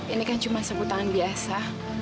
ini kan cuma sebut tangan biasa